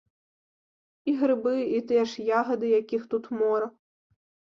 І грыбы, і тыя ж ягады, якіх тут мора.